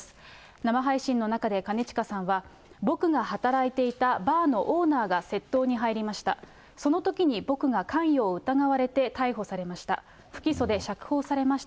生配信の中で兼近さんは、僕が働いていたバーのオーナーが窃盗に入りました。